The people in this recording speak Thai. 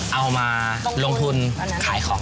เอามาลงทุนขายของ